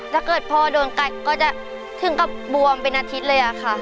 ถ้าเกิดพ่อโดนกัดก็จะถึงกับบวมเป็นอาทิตย์เลยอะค่ะ